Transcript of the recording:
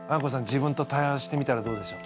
自分と対話してみたらどうでしょう？